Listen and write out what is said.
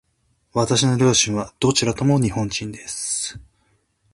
私の両親はどちらとも日本人です。